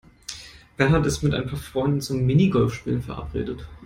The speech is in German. Bernd ist mit ein paar Freunden zum Minigolfspielen verabredet.